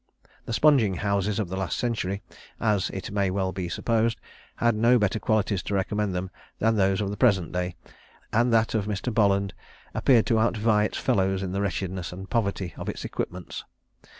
The sponging houses of the last century, as it may be well supposed, had no better qualities to recommend them than those of the present day, and that of Mr. Bolland appeared to outvie its fellows in the wretchedness and poverty of its equipments.